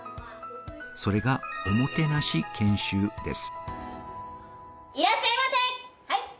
それがおもてなし研修です。